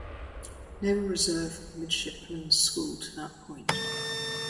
Naval Reserve Midshipmen's School to that point.